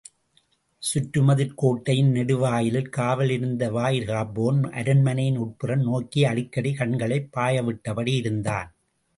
சுற்றுமதிற் கோட்டையின் நெடு வாயிலில் காவல் இருந்த வாயிற்காப்போன் அரண்மனையின் உட்புறம் நோக்கி அடிக்கடி கண்களைப் பாயவிட்டபடி இருந்தான்.